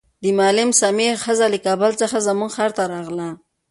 د معلم سمیع ښځه له کابل څخه زموږ ښار ته راغله.